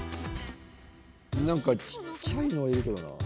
なんかちっちゃいのいるこれ。